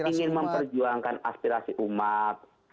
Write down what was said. artinya kalau ingin memperjuangkan aspirasi umat